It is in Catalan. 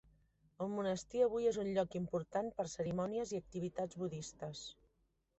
El monestir avui és un lloc important per cerimònies i activitats budistes.